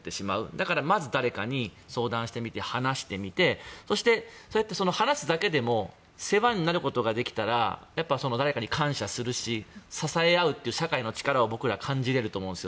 だからまず誰かに相談してみて話してみてそうやって話すだけでも世話になることができたら誰かに感謝するし支え合うという社会の力を僕らは感じられると思います。